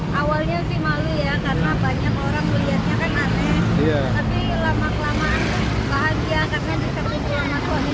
kan awalnya sih malu ya karena banyak orang melihatnya kan aneh